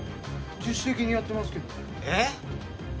自主的にやってますけどえっ？